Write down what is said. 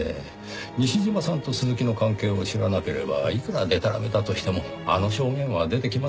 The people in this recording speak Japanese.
西島さんと鈴木の関係を知らなければいくらでたらめだとしてもあの証言は出てきませんよ。